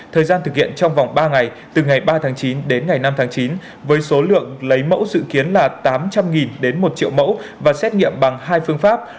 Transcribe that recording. thời gian thực hiện trong vòng ba ngày từ ngày ba tháng chín đến ngày năm tháng chín với số lượng lấy mẫu dự kiến là tám trăm linh đến một triệu mẫu và xét nghiệm bằng hai phương pháp